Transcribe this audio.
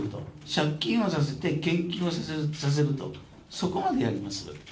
借金をさせて献金をさせると、そこまでやります。